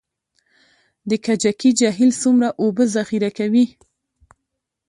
د کجکي جهیل څومره اوبه ذخیره کوي؟